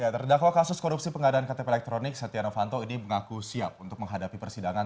terdakwa kasus korupsi pengadaan ktp elektronik setia novanto ini mengaku siap untuk menghadapi persidangan